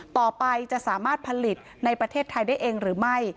ต่อไปจะสามารถผลิตในประเทศไทยได้เองหรือไม่